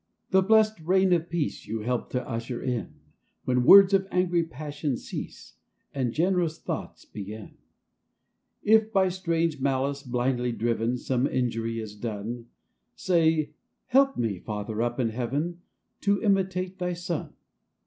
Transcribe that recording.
the blessed reign of Peace You help to usher in, When words of angry passion cease, And generous thoughts begin. If by strange malice blindly driven, Some injury is done, Say, " Help me, Father up in Heaven ! To imitate Thy Son."